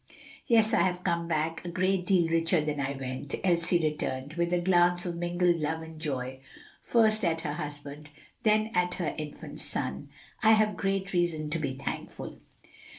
"Yes, I have come back a great deal richer than I went," Elsie returned, with a glance of mingled love and joy, first at her husband, then at her infant son. "I have great reason to be thankful."